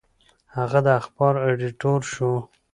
هغه د اخبار ایډیټور شو.